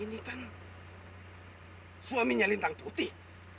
ini kan suaminya lintang putih